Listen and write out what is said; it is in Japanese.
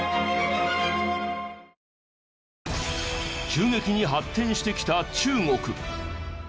急激に発展してきた中国。